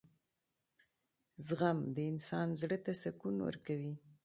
• زغم د انسان زړۀ ته سکون ورکوي.